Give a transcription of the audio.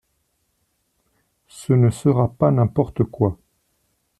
Ce ne sera pas n’importe quoi.